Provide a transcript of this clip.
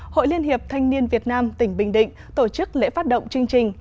hội liên hiệp thanh niên việt nam tỉnh bình định tổ chức lễ phát động chương trình